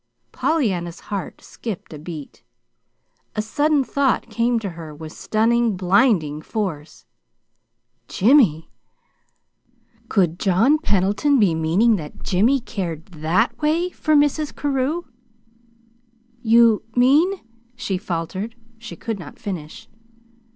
Pollyanna's heart skipped a beat. A sudden thought came to her with stunning, blinding force. JIMMY! Could John Pendleton be meaning that Jimmy cared THAT WAY for Mrs. Carew? "You mean ?" she faltered. She could not finish.